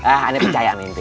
ah anda percaya mimpi